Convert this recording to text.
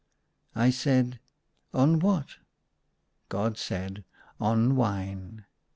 I said, " On what ?" God said, " On wine."